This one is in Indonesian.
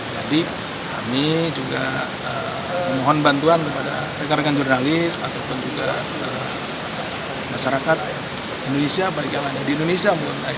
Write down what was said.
jadi kami juga mohon bantuan kepada rekan rekan jurnalis ataupun juga masyarakat indonesia bagaimana di indonesia